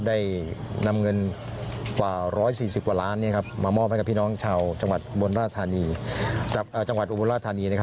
ได้นำเงินกว่า๑๔๐กว่าล้านบาทมามอบให้กับพี่น้องชาวจังหวัดอุบราษฎานี